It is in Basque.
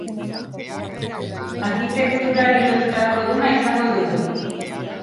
Arkitekturari lotutako eguna izango dugu.